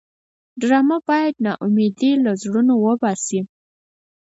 ډرامه باید ناامیدي له زړونو وباسي